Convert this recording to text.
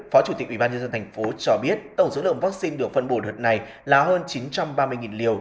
phó chủ tịch ubnd tp cho biết tổng số lượng vaccine được phân bổ đợt này là hơn chín trăm ba mươi liều